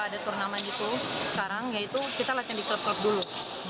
ada turnamen gitu sekarang yaitu kita latihan di klub klub dulu